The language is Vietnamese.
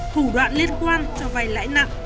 thủ đoạn liên quan cho vay lãi nặng